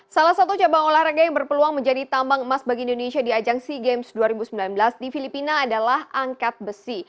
salah satu cabang olahraga yang berpeluang menjadi tambang emas bagi indonesia di ajang sea games dua ribu sembilan belas di filipina adalah angkat besi